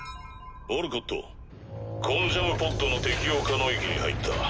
オルコットコンジャムポッドの適用可能域に入った。